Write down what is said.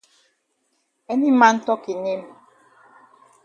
Any man tok e name.